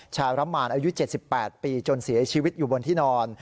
ชารมานอายุ๗๘ปีจนเสียชีวิตอยู่บนที่นอน